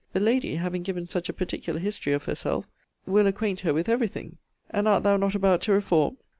The lady, having given such a particular history of herself, will acquaint her with every thing. And art thou not about to reform!